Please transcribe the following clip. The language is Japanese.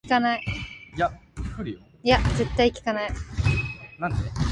すっかり思い浮かばないな、何も頭に湧いてこないんだよ